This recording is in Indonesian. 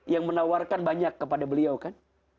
yang menawarkan banyak kepada beliau kan